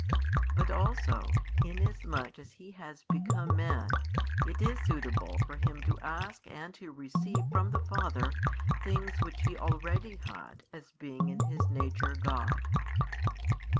But also, inasmuch as He has become Man, it is suitable for Him to ask and to receive from the Father things which He already had as being in His Nature God.